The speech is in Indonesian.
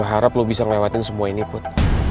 harap lo bisa ngelewatin semua ini put